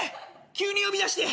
急に呼び出して。